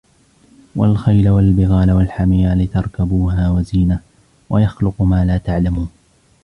وَالْخَيْلَ وَالْبِغَالَ وَالْحَمِيرَ لِتَرْكَبُوهَا وَزِينَةً وَيَخْلُقُ مَا لَا تَعْلَمُونَ